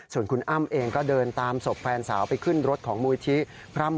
ส่วนคุณอ้ำเองก็เดินตามศพแฟนสาวไปขึ้นรถของมูลที่พร่ำ